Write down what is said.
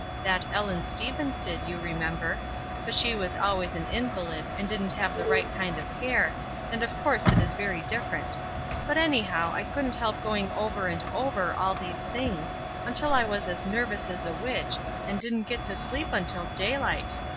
That Ellen Stevens did, you remember. But she was always an invahd, and didn't have the right kind of care, and of course it is very different; but, anyhow, I couldn't help going over and over all those things, until I was as nervous as a witch, and didn't get to sleep until daylight.